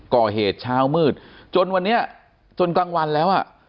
ก่อเหตุเช้ามืดจนวันนี้จนกลางวันแล้วอ่ะ